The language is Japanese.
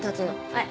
はい。